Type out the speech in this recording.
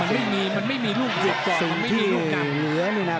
มันไม่มีมันไม่มีรูปสักก่อนมันไม่มีรูปกันสิ่งที่เหลือนี่น่ะ